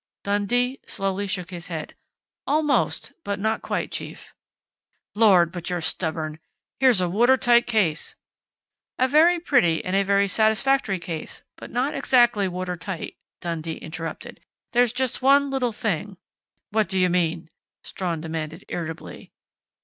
Dundee slowly shook his head. "Almost but not quite, chief!" "Lord, but you're stubborn! Here's a water tight case " "A very pretty and a very satisfactory case, but not exactly water tight," Dundee interrupted. "There's just one little thing " "What do you mean?" Strawn demanded irritably.